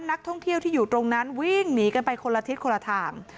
นักท่องเที่ยวที่อยู่ตรงนั้นวิ่งหนีกันไปคนละทิศคนละทาง